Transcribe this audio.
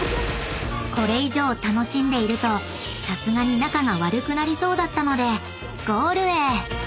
［これ以上楽しんでいるとさすがに仲が悪くなりそうだったのでゴールへ］